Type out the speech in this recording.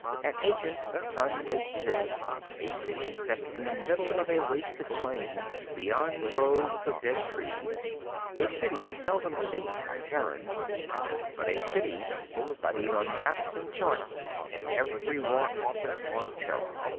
An ancient, sun baked City, a City set in the middle of a wasted plain, beyond groves of dead trees, a City seldom seen by Terrans but a City studied on maps and charts in every War Office on Terra.